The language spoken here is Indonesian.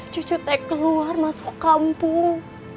cucu saya keluar masuk kampung